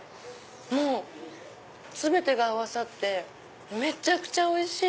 もう全てが合わさってめちゃくちゃおいしい！